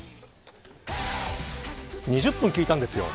２０分聞いたんです。